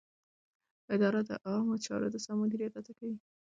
اداره د عامه چارو د سم مدیریت هڅه کوي.